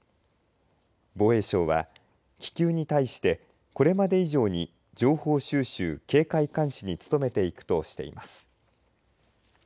防衛省は気球に対してこれまで以上に情報収集・警戒監視に努めていくとしています。